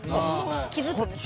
気付くんですね。